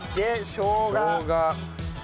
しょうが。